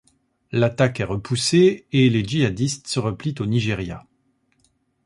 L'attaque est repoussée et les djihadistes se replient au Nigeria.